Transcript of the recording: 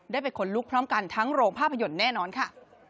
ได้ไปขนลุกพร้อมกันทั้งโรงภาพยนตร์แน่นอนค่ะ